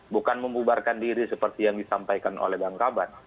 bukan membubarkan diri seperti yang disampaikan oleh bangkaban